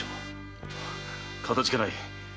かたじけない。